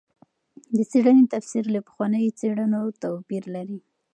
د څېړنې تفسیر له پخوانیو څېړنو توپیر لري.